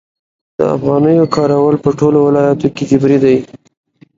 د افغانیو کارول په ټولو ولایتونو کې جبري دي؟